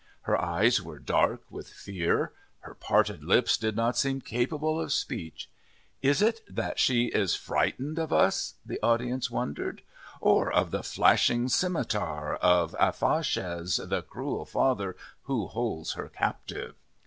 Her eyes were dark with fear; her parted lips did not seem capable of speech. "Is it that she is frightened of us?" the audience wondered. "Or of the flashing scimitar of Aphoschaz, the cruel father who holds her captive?"